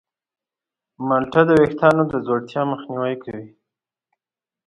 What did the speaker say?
مالټه د ویښتانو د ځوړتیا مخنیوی کوي.